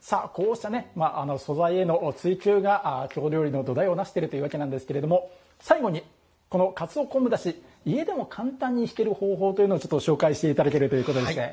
さあ、こうした素材への追求が京料理の土台をなしているというわけなんですけれども最後にこのかつお昆布だし家でも簡単に引ける方法というのをちょっと紹介していただけるということで。